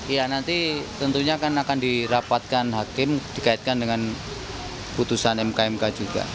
ya nanti tentunya akan dirapatkan hakim dikaitkan dengan putusan mk mk juga